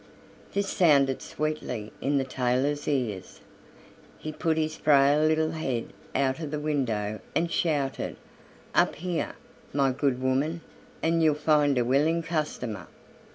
This sounded sweetly in the tailor's ears; he put his frail little head out of the window, and shouted: "up here, my good woman, and you'll find a willing customer."